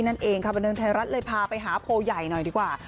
วันเดือนไทยรัฐเลยพาไปหาโพลใหญ่หน่อยดีกว่า